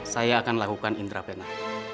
saya akan lakukan intravena